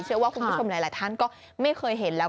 เชื่อว่าคุณผู้ชมหลายท่านก็ไม่เคยเห็นแล้ว